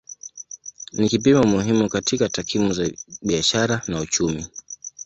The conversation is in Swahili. Ni kipimo muhimu katika takwimu za biashara na uchumi.